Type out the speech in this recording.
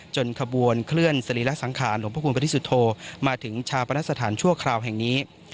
จนกระบวนเคลื่อนสลิลสังขารหลวงพระคุณปฏิสุทโทมาถึงชาวปรนักสถานชั่วคร่าวแห่งนี้